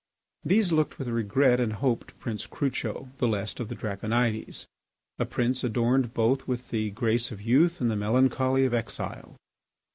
These looked with regret and hope to Prince Crucho, the last of the Draconides, a prince adorned both with the grace of youth and the melancholy of exile.